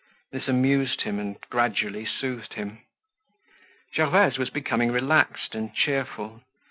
This amused him and gradually soothed him. Gervaise was becoming relaxed and cheerful.